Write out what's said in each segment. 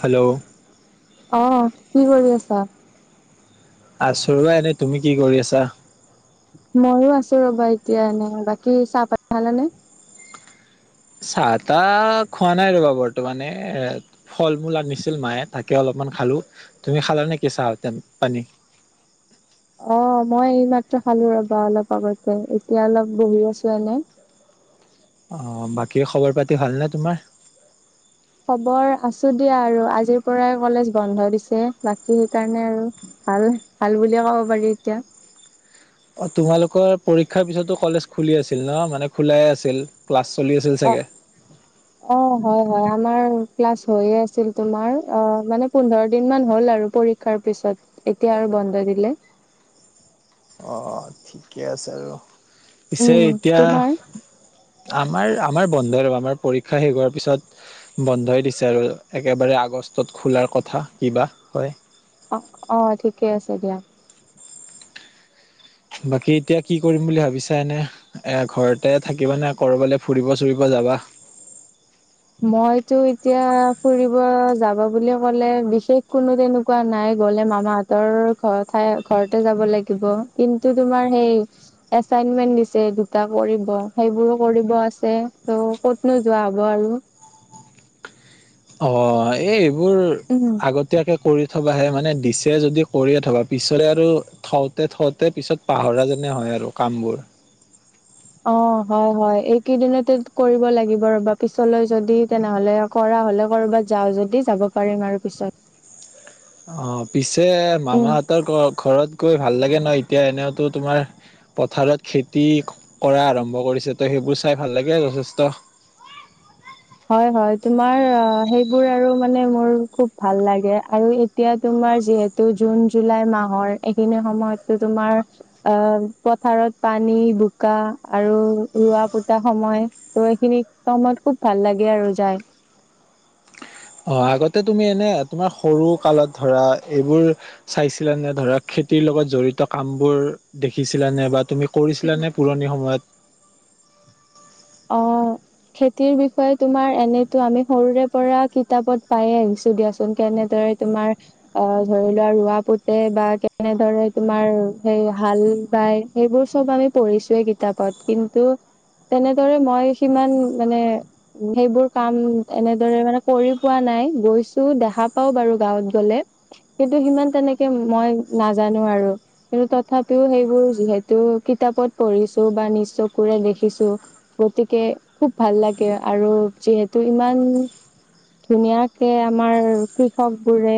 Hello? অ', কি কৰি আছা? আছো আৰু এনেই, তুমি কি কৰি আছা? মইও আছো ৰ'বা এতিয়া এনেই, বাকী চাহ পানী খালানে? চাহ তাহ খোৱা নাই ৰ'বা বৰ্তমানে ফল মূল আনিছিল মায়ে তাকে অলপমান খালো, তুমি খালা নেকি চাহ পানী? অ', মই এই মাত্ৰ খালো ৰ'বা অলপ আগতে, এতিয়া অলপ বহি আছো এনেই। অঁ, বাকী খবৰ পাতি ভালনে তোমাৰ? খবৰ আছো দিয়া আৰু, আজিৰ পৰাই কলেজ বন্ধ দিছে। বাকী সেইকাৰণে আৰু আৰু ভাল বুলিয়ে ক'ব পাৰি এতিয়া। অ' তোমালোকৰ পৰীক্ষাৰ পিছতো কলেজ খুলি আছিল ন মানে খোলাই আছিল? ক্লাছ চলি আছিল চাগে? [inaudible] অ', হয় হয় আমাৰ ক্লাছ হৈয়ে আছিল তোমাৰ, অ' মানে পোন্ধৰ দিন মান হ'ল আৰু পৰি ক্ষাৰ পিছত, এতিয়া আৰু বন্ধ দিলে। অ', ঠিকে আছে আৰু, পিছে উম এতিয়া তোমাৰ আমাৰ আমাৰ বন্ধ ৰ'ৱা, আমাৰ পৰীক্ষা শেষ হোৱাৰ পিছত বন্ধই দিছে আৰু একেবাৰে আগষ্টত খোলাৰ কথা কিবা হয়। অ', অ' ঠিকে আছে দিয়া। বাকী এতিয়া কি কৰিম বুলি ভাবিছা এনে? এ ঘৰতে থাকিবা নে কৰবালৈ ফুৰিব চুৰিব যাবা? মইতো এতিয়া ফুৰিব যাবা বুলি ক'লে বিশেষ কোনো তেনেকা নাই গ'লে মামাহঁতৰ ঘৰ ঠাই ঘৰতে যাব লাগিব। কিন্তু তোমাৰ সেই এচাইনমেন্ট দিছে দুটা কৰিব, সেইবোৰো কৰিব আছে, ত' ক'তনো যোৱা হ'ব আৰু। অঁ, এই এইবোৰ উম আগত তিয়াকে কৰি থবাহে', মানে দিছে যদি কৰি থবা পিছলৈ আৰু থওঁতে থওঁতে পিছত পাহৰা যেনে হয় আৰু কাম বোৰ। অ', হয় হয়। এইকেইদিনতে লাগিব ৰ'বা, পিছলৈ যদি তেনেহ'লে কৰা হ'লে ক'ৰবাত যাওঁ যদি যাব পাৰিম আৰু পিছত। অ', পিছে উম মামাহঁতৰ ঘৰত গৈ ভাল লাগে ন, এতিয়া এনেওতো তোমাৰ পথাৰত খেতি কৰা আৰম্ভ কৰিছে, ত সেইবোৰ চাই ভাল লাগে যথেষ্ট। হয় হয়, তোমাৰ সেইবোৰ আৰু মানে মোৰ খুব ভাল লাগে আৰু এত- তিয়া তোমাৰ যিহেতু জুন জুলাই মাহৰ এইখিনি সময়ততো তোমাৰ- আহ পথাৰত পানী বোকা আৰু ৰোৱা কোতা সময়- ত' এইখিনি সময়ত খুব ভাল লাগে আৰু যাই। অহা আগতে তুমি এনেই তোমাৰ সৰু কালত ধৰা এইবোৰ- চাইছিলা নে ধৰা খেতিৰ লগত জৰিত কাম বোৰ দেখিছিলা নে বা তুমি- কৰিছিলানে পুৰণি সময়ত? অঁ' খেতিৰ বিষয়ে তোমাৰ এনেইতো আমি সৰুৰে পৰা কিতাপত পাই আহিছো দিয়াচোন কেনেদৰে- তোমাৰ- অ ধৰি লোৱা ৰোৱা পোতে বা কেনেদৰে তোমাৰ সেই হাল বাই- সেইবোৰ চব আমি পঢ়িছোৱেই কিতাপত, কিন্তু- দৰে মই সিমান মানে- সেইবোৰ কাম এনেদৰে মানে কৰি পোৱা নাই, গৈছো দেখা পাওঁ বাৰু গাঁৱত গলে। কিন্তু সিমান তেনেকে মই নাজানো আৰু। কিন্তু তথাপিও সেইবোৰ যিহেতু কিতাপত পঢ়িছো বা নিজ চকুৰে দেখিছো। গতিকে খুব ভাল লাগে আৰু যিহেতু ইমান- ধুনীয়াকে আমাৰ কৃষক বোৰে-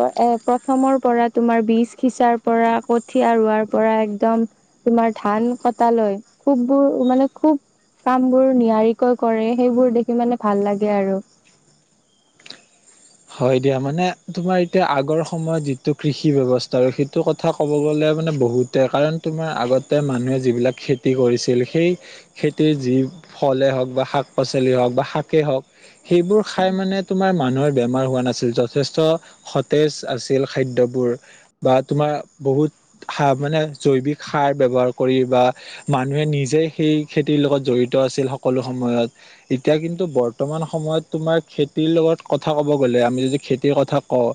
প এ প্ৰথমৰ পৰা তোমাৰ বীজ সিচাৰ পৰা কঠীয়া ৰোৱাৰ পৰা একদম- তোমাৰ ধান কটা লৈ খুববোৰ মানে খুব- কাম বোৰ নিয়াৰিকৈ কৰে সেইবোৰ দেখি মানে ভাল লাগে আৰু। হয় দিয়া, মানে তোমাৰ এতিয়া আগৰ সময়ত যিটো কৃষি ব্যৱস্থা আৰু সেইটো কথ- কথা ক'ব গ'লে মানে বহুতে, কাৰণ তোমাৰ আগতে মানুহে যিবিলাক খেতি কৰিছিল সেই- সেইটোৱে যি ফলে হওক বা শাক পাচলিয়ে হওক বা শাকেই হওক- সেইবোৰ খাই মানে তোমাৰ মানুহৰ- বেমাৰ হোৱা নাছিল যথেষ্ট সতেজ আছিল খাদ্যবোৰ। বা তোমাৰ বহুত সাৰ মানে জৈৱিক সাৰ ব্যৱহাৰ কৰি বা- মানুহে নিজেই সেই খেতিৰ লগত জড়িত আছিল সকলো সময়ত। এতিয়া কিন্তু বৰ্তমান সময়ত তোমাৰ খেতিৰ লগত কথ- কথা ক'ব গ'লে আমি যদি খেতিৰ কথা কওঁ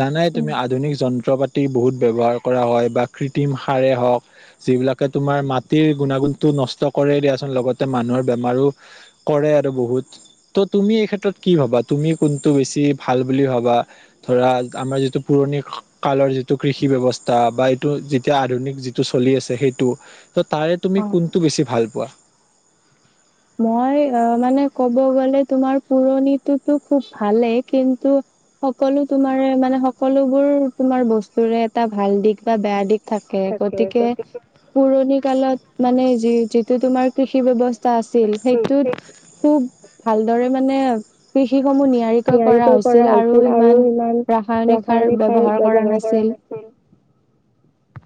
জানাই উম, তুমি আধুনিক যন্ত্ৰ পাত- তি বহুত ব্যৱহাৰ কৰা হয় বা কৃত্ৰিম সাৰে হওক। যিবিলাকে তোমাৰ মাটিৰ গুণাগুণটো নষ্ট কৰে দিয়াচোন লগতে মানুহৰ বেমাৰো- কৰে আৰু বহুত। ত তুমি এই ক্ষেত্ৰত কি ভাবা তুমি- কোনটো বেছি ভাল বুলি ভাবা? ধৰা আমাৰ যিটো পুৰণি কালৰ যিটো কৃষি বেৱস্থা বা এইটো যেতিয়া আধুনিক যি- টো চলি আছে সেইটো, ত তাৰে তুমি অ', কোনটো বেছি ভাল পোৱা? মই অঁ মানে ক'ব গ'লে তোমাৰ পুৰণিটোতো খুব ভালেই। কিন্তু- সকলো তোমাৰে মানে সকলোবোৰ তোমাৰ বস্তুৰে এটা ভাল দিশ বা বেয়া দিশ- থাকে। গতিকে- পুৰণি কালত মানে যি যিটো তোমাৰ কৃষি ব্যৱস্থা আছ- ছিল। সেইটোত খুব ভালদৰে মানে কৃষি সমূহ নিয়াৰিক- কৈ কৰা হৈছিল। আৰু সিমান ৰাসায়নিক সাৰ ব্যৱহাৰ কৰা নাছিল।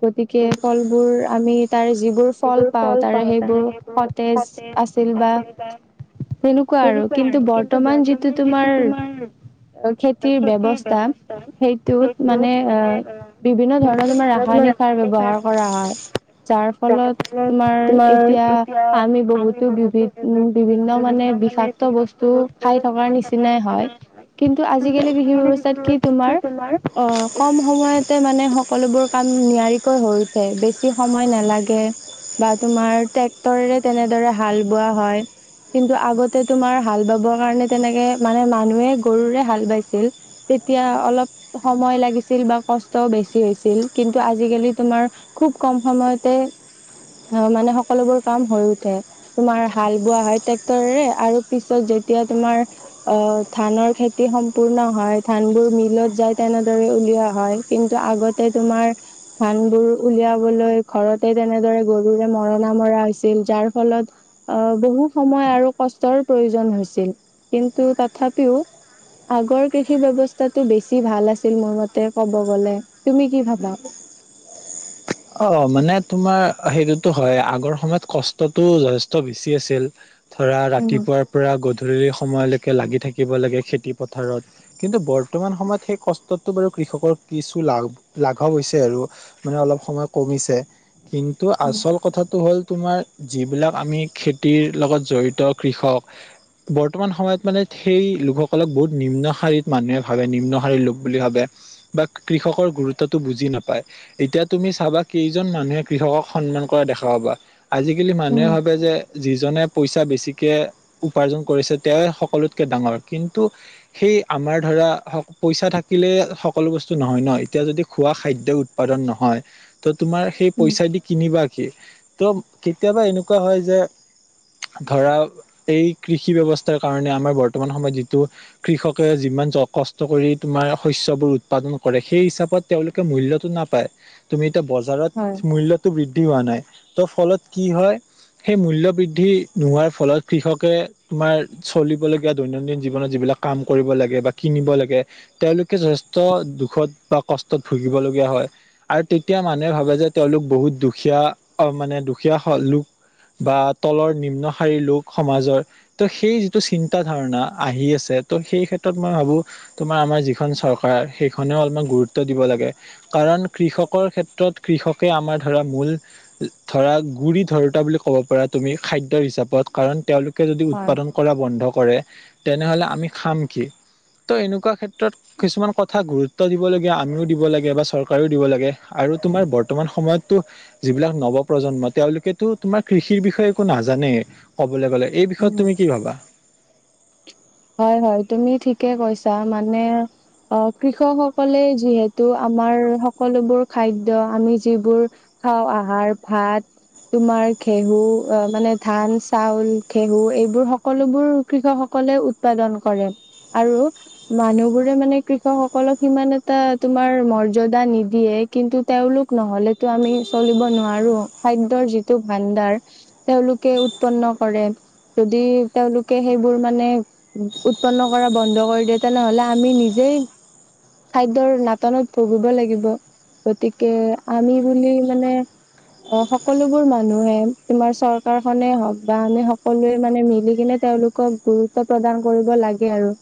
গতিকে ফলবোৰ আমি- তাৰে যিবোৰ ফল পাওঁ তাৰে সেইবোৰ সতেজ আছিল বা- তেনেকুৱা আৰু কিন্তু বৰ্তমান যিটো তোমাৰ খেতিৰ ব্যৱস্থা সেইটোত মানে আ বিভিন্ন ধৰণৰ তোমাৰ ৰাসায়নিক তাৰ বেৱহাৰ কৰা হয় যাৰ ফলত তোমাৰ এতিয়া আমি বহুত টো বিভিত বিভিন্ন মানে বিষাক্ত বস্তু খাই থকাৰ নিচিনাই হয়। কিন্তু আজিকালি কৃষি ব্যৱস্থাত কি তোমাৰ অ কম সময়ত তাতে মানে সকলোবোৰ কাম নিয়াৰিকৈ হৈ উঠে বেছি সময় নালাগে। বা তোমাৰ ট্ৰেক্টৰেৰে তেনেদৰে হাল বোৱা হয়। কিন্তু আগতে তোমাৰ হাল বাবৰ কাৰণে তেনেকে মানে মানুহে গৰুৰে হাল বাইছিল। তেতিয়া অলপ সময় লাগিছিল বা কষ্টও বেছি হৈছিল। কিন্তু আজিকালি তোমাৰ খুব কম সময়তে অ মানে সকলোবোৰ কাম হৈ উঠে। তোমাৰ হাল বোৱা হয় ট্ৰেক্টৰেৰে আৰু পিছত যেতিয়া তোমাৰ অ ধানৰ খেতি সম্পূৰ্ণ হয়, ধানবোৰ মিলত যায় তেনেদৰে উলিওৱা হয়। কিন্তু আগতে তোমাৰ ধানবোৰ উলিয়াবলৈ ঘৰতে তেনেদৰে গৰুৰে মৰণা মৰা হৈছিল। যাৰ ফলত অ বহু সময় আৰু কষ্টৰ প্ৰয়োজন হৈছিল। কিন্তু তথাপিও আগৰ কৃষি ব্যৱস্থাটো বেছি ভাল আছিল মোৰ মতে কব গ'লে, তুমি কি ভাবা? অ মানে তোমাৰ সেইটোতো হয়, আগৰ সময়ত কষ্টতটো যথেষ্ট বেছি আছিল। ধৰা উম, ৰাতিপুৱাৰ পৰা গধূলি সময়লৈকে লাগি থাকিব লাগে খেতি পথাৰত। কিন্তু বৰ্তমান সময়ত সেই কষ্টতটো বাৰু কৃষকৰ কিছু লা-লাঘৱ হৈছে আৰু। মানে অলপ সময় কমিছে। কিন্তু উম, আচল কথাটো হ'ল তোমাৰ যিবিলাক আমি খেতিৰ লগত জড়িত কৃষক বৰ্তমান সময়ত মানে সেই লোকসকলক বহুত নিম্নশাৰীত মানুহে ভাবে। নিম্ন শাৰীৰ লোক বুলি ভাবে। বা কৃষকৰ গুৰুত্বটো বুজি নাপায়। এতিয়া তুমি চাবা কেইজন মানুহে কৃষকক সন্মান কৰা দেখা পাবা। আজিকালি মানুহে উম, ভাবে যে যি জনে পইচা বেছিকে উপাৰ্জন কৰিছে তেওঁয়ে সকলোতকে ডাঙৰ কিন্তু সেই আমাৰ ধৰা পইচা থাকিলে সকলো বস্তু নহয় ন। এতিয়া যদি খোৱা খাদ্য উৎপাদন নহয় তু তোমাৰ সেই উম, পইচা দি কিনিবা কি? তো কেতিয়াবা এনেকুৱা হয় যে ধৰা এই কৃষি ব্যৱস্থাৰ কাৰণে আমাৰ বৰ্তমান সময়ত যিটো কৃষকে যিমান য কষ্ট কৰি তোমাৰ শস্যবোৰ উৎপাদন কৰে। সেই হিচাপত তেওঁলোকে মূল্য টো নাপায়। তুমি হয়, বজাৰত মূল্যটো বৃদ্ধি হোৱা নাই। ত ফলত কি হয় সেই মূল্য বৃদ্ধি নোহোৱাৰ ফলত কৃষকে তোমাৰ চলিবলগীয়া দৈনন্দিন জীৱনত যিবিলাক কাম কৰিব লাগে বা কিনিব লাগে তেওঁলোকে যথেষ্ট দুখত বা কষ্টত ভুগিবলগীয়া হয়। আৰু তে এতিয়া মানুহে ভাবে যে তেওঁলোক বহুত দুখীয়া। অ মানে দুখীয়া লোক বা তলৰ নিম্নশাৰীৰ লোক সমাজৰ ত' সেই যিটো চিন্তা ধাৰণা আহি আছে ত' সেই ক্ষেত্ৰত মই ভাবো তোমাৰ আমাৰ যিখন চৰকাৰ সেইখনেও অলমান গুৰুত্ব লাগে, কাৰণ কৃষক কৰ ক্ষেত্ৰত কৃষকে আমাৰ ধৰা মূল ধৰা গুৰিি ধৰোতা বুলি ক'ব পাৰা তুমি খাদ্য হিচাপত কাৰণ তেওঁলোকে যদি হয়, উৎপাদন কৰা বন্ধ কৰে তেনেহ'লে আমি খাম কি? তো এনেকুৱা ক্ষেত্ৰত কিছুমান কথা গুৰুত্ব দিবলগীয়া আমিও দিব লাগে বা চৰকাৰেও দিব লাগে। আৰু তোমাৰ বৰ্তমান সময়তো যিবিলাক নৱ প্ৰজন্ম তেওঁলোকেতো তোমাৰ কৃষিৰ বিষয়ে একো নাজানেই কবলৈ গ'লে। এই উম। বিষয়ত তুমি কি ভাবা হয় হয় তুমি ঠিকে কৈছা মানে অ কৃষকসকলে যিহেতু আমাৰ সকলোবোৰ খাদ্য আমি যিবোৰ খাওঁ আহাৰ ভাত তোমাৰ ঘেহু অ মানে ধান চাউল ঘেহু এইবোৰ সকলোবোৰ কৃষক সকলে উৎপাদন কৰে আৰু মানুহ বোৰে মানে কৃষক সকলক সিমান এটা তোমাৰ মৰ্যদা নিদিয়ে। কিন্তু তেওঁলোক নহলেতো আমি চলিব নোৱাৰো খাদ্যৰ যিটো ভাণ্ডাৰ তেওঁলোকে উৎপন্ন কৰে যদি তেওঁলোকে সেইবোৰ মানে উৎপন্ন কৰা বন্ধ কৰি দিয়ে তেনেহলে আমি নিজেই খাদ্যৰ নাটনত ভুগিব লাগিব। গতিকে আমি বুলি মানে অ সকলোবোৰ মানুহে তোমাৰ চৰকাৰ খনে হওক বা আমি সকলোৱে মানে মিলি কিনে তেওঁলোক কক গুৰুত্ব প্ৰদান কৰিব লাগে আৰু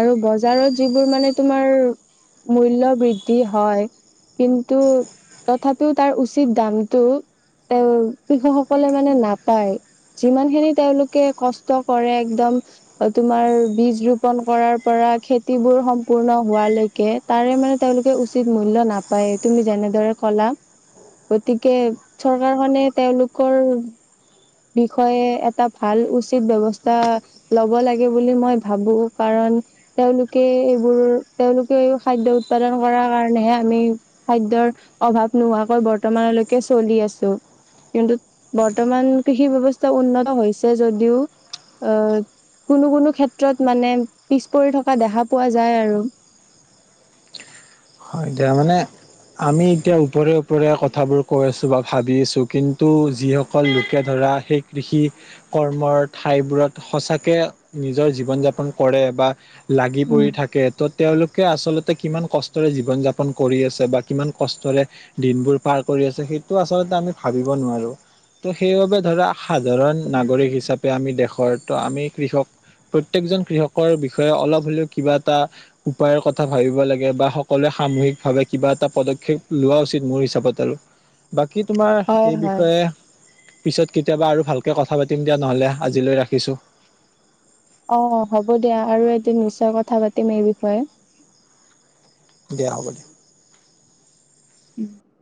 আৰু বজাৰত যিবোৰ মানে তোমাৰ মূল্যৰ বৃদ্ধি হয়। কিন্তু তথাপিও তাৰ উচিত দামটো এ কৃষকসকলে মানে নাপায়। যিমান খিনি তেওঁলোকে কষ্ট কৰে একদম অ তোমাৰ বীজ ৰোপন কৰাৰ পৰা খেতিবোৰ সম্পূৰ্ণ হোৱালৈকে। তাৰে মানে তেওঁলোকে উচিত মূল্য নাপায় তুমি যেনেদৰে কলা। গতিকে চৰকাৰখনে তেওঁলোকৰ বিষয়ে এটা ভাল উচিত ব্যবস্থা লব লাগে বুলি মই ভাবো কাৰণ তেওঁলোকে এইবোৰ তেওঁলোকে এই খাদ্য উৎপাদন কৰাৰ কাৰণেহে আমি খাদ্যৰ অভাৱ নোহোৱাকৈ বৰ্তমানলৈকে চলি আছো। কিন্তু বৰ্তমান কৃষি ব্যৱস্থা উন্নত হৈছে যদিও অ কোনো কোনো ক্ষেত্ৰত মানে পিছ পৰি থকা দেখা পোৱা যায় আৰু। হয় এতিয়া মানে আমি এতিয়া ওপৰে ওপৰে কথাবোৰ কৈ আছোঁ বা ভাবি আছোঁ কিন্তু যিস সকল লোকে ধৰা সেই কৃষি কৰ্মৰ ঠাইবোৰত সঁচাকে নিজৰ জীৱন যাপন কৰে বা লাগি পৰি উম থাকে ত' তেওঁলোকে আচলতে কিমান কষ্টৰে জী জীৱন যাপন কৰি আছে বা কিমান কষ্টৰে দিনবোৰ পাৰ কৰি আছে সেইটো আচলতে আমি ভাবিব নোৱাৰো ত' সেইবাবে ধৰা সাধাৰণ নাগৰিক হিচাপে আমি দেশৰতো আমি কৃষক প্ৰত্যকজন কৃষকৰ বিষয়ে অলপ হ'লেও কিবা এটা উপায়ৰ কথা ভাবিব লাগে বা সকলোৱে সামূহিকভাৱে কিবা এটা পদক্ষেপ লোৱা উচিত মোৰ হিচাপত আৰু। বাকী তোমাৰ হয় এই হয় বিষয়ে পিছত কেতিয়াবা আৰু ভালকৈ কথা পাতিম দিয়া নহ'লে আজিলৈ ৰাখিছোঁ। অ হ'ব দিয়া আৰু এদিন নিশ্চয় কথা পাতিম এই বিষয়ে। দিয়া হ'ব দিয়া। উম